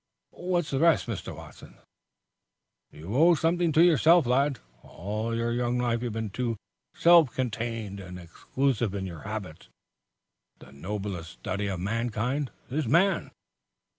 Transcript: "What's the rest, Mr. Watson?" "You owe something to yourself, lad. All your young life you've been too self contained and exclusive in your habits. 'The noblest study of mankind is man.'